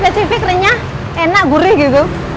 spesifik renyah enak gurih gitu